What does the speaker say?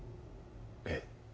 えっ？